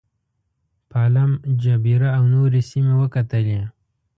پالم جبیره او نورې سیمې وکتلې.